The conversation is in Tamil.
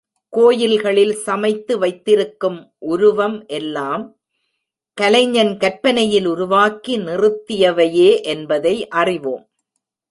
கோயில்களில் சமைத்து வைத்திருக்கும் உருவம் எல்லாம் கலைஞன் கற்பனையில் உருவாக்கி நிறுத்தியவையே என்பதை அறிவோம்.